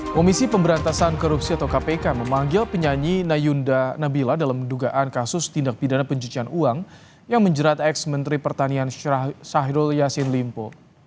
komisi pemberantasan korupsi atau kpk memanggil penyanyi nayunda nabila dalam dugaan kasus tindak pidana pencucian uang yang menjerat ex menteri pertanian syahrul yassin limpo